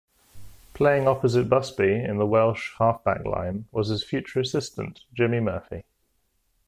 Playing opposite Busby in the Welsh half-back line was his future assistant Jimmy Murphy.